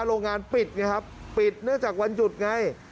โรงงานปิดไงครับปิดเนื่องจากวันหยุดไง